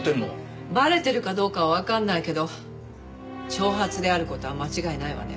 バレてるかどうかはわかんないけど挑発である事は間違いないわね。